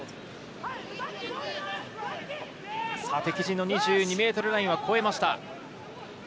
敵陣の２２ｍラインは越えました。